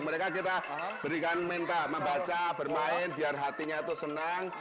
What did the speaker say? mereka kita berikan minta membaca bermain biar hatinya itu senang